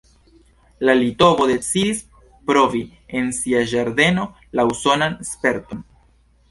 La litovo decidis provi en sia ĝardeno la usonan sperton.